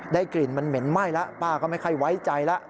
กลิ่นมันเหม็นไหม้แล้วป้าก็ไม่ค่อยไว้ใจแล้ว